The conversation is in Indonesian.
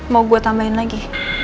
mau gue tambahin lagi